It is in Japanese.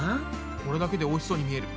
これだけでおいしそうに見える。